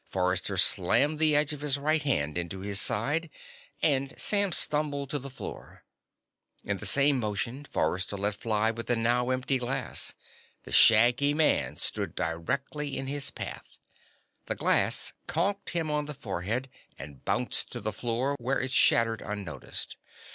Forrester slammed the edge of his right hand into his side, and Sam stumbled to the floor. In the same motion, Forrester let fly with the now empty glass. The shaggy man stood directly in his path. The glass conked him on the forehead and bounced to the floor, where it shattered unnoticed.